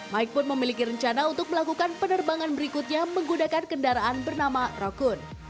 mike pun memiliki rencana untuk melakukan penerbangan berikutnya menggunakan kendaraan bernama rokun